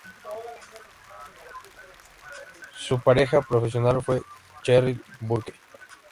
Su pareja profesional fue Cheryl Burke.